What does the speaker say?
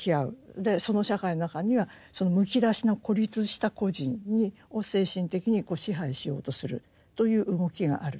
その社会の中にはそのむき出しの孤立した個人を精神的に支配しようとするという動きがあると。